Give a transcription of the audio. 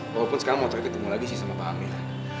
walaupun sekarang mau ketemu lagi sih sama pak amir